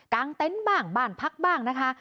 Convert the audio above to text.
งเต็นต์บ้างบ้านพักบ้างนะคะ